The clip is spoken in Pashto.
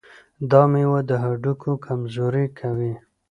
دا مېوه د هډوکو کمزوري کموي.